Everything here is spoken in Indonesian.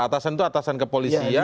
atasan itu atasan kepolisian